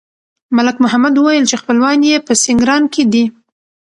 ملک محمد وویل چې خپلوان یې په سینګران کې دي.